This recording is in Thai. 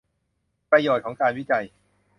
ประโยชน์ของการวิจัย